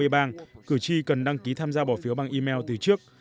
ở hai mươi bang cử tri cần đăng ký tham gia bỏ phiếu bằng email từ trước